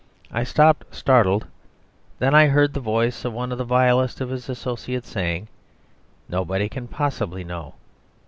I stopped, startled: then I heard the voice of one of the vilest of his associates saying, "Nobody can possibly know."